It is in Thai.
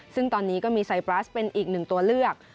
ซึ่งตอนนี้ก็มีไซปรัสเป็นอีกหนึ่งตัวเลือก